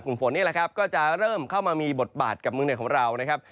ฝนนี่แหละครับก็จะเริ่มเข้ามามีบทบาทกับเมืองไหนของเรานะครับ